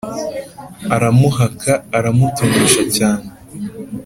aramuhaka, aramutonesha cyane.